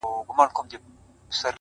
هره ناکامي د راتلونکې لارښوونه ده!